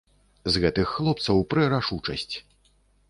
З гэтых хлопцаў прэ рашучасць.